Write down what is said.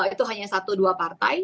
itu hanya satu dua partai